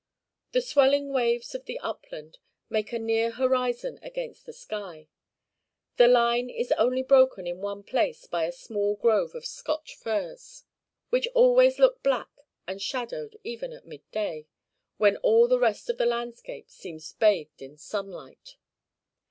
The swelling waves of the upland make a near horizon against the sky; the line is only broken in one place by a small grove of Scotch firs, which always look black and shadowed even at mid day, when all the rest of the landscape seems bathed in sunlight.